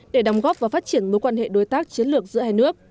để đóng góp và phát triển mối quan hệ đối tác chiến lược giữa hai nước